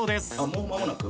もう間もなく？